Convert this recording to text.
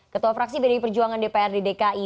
ketua fraksi bd perjuangan dpr di dki